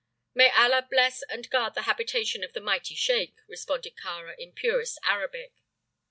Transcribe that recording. "May Allah bless and guard the habitation of the mighty sheik!" responded Kāra, in purest Arabic.